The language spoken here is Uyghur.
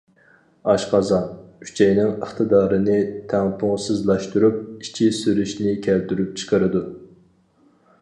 ئاشقازان، ئۈچەينىڭ ئىقتىدارىنى تەڭپۇڭسىزلاشتۇرۇپ، ئىچى سۈرۈشنى كەلتۈرۈپ چىقىرىدۇ.